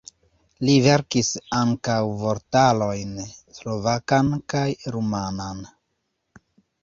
Li verkis ankaŭ vortarojn: slovakan kaj rumanan.